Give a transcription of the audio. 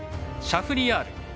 シャフリヤール。